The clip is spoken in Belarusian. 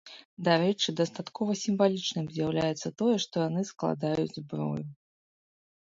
Дарэчы, дастаткова сімвалічным з'яўляецца тое, што яны складаюць зброю.